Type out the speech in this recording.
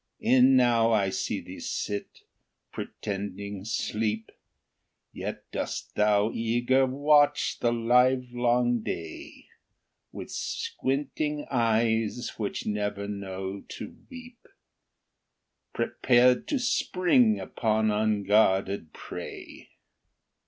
E'en now I see thee sit. pretending sleep, Yet dost thou eager watch the livelong day, With squinting eyes, which never knew to weep; Prepared to spring upon unguarded prey.